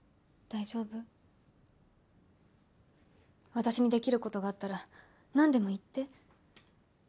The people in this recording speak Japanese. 私にできることがあったら何でも言って。